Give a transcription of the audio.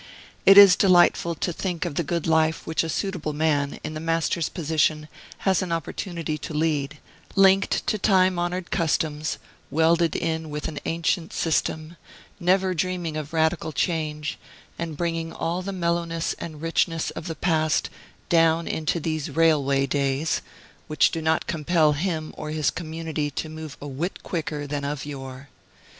It is delightful to think of the good life which a suitable man, in the Master's position, has an opportunity to lead, linked to time honored customs, welded in with an ancient system, never dreaming of radical change, and bringing all the mellowness and richness of the past down into these railway days, which do not compel him or his community to move a whit quicker than of yore.